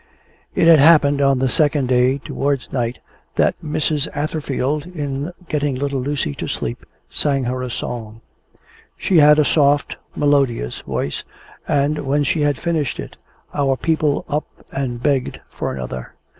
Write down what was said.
It had happened on the second day, towards night, that Mrs. Atherfield, in getting Little Lucy to sleep, sang her a song. She had a soft, melodious voice, and, when she had finished it, our people up and begged for another.